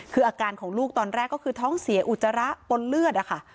คืออาการของลูกตอนแรกก็คือท้องเสียอุจจาระปนเลือดอะค่ะ